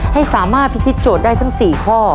ให้สามารถพิธีโจทย์ได้ทั้ง๔ข้อ